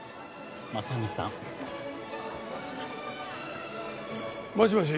真実さん。もしもし？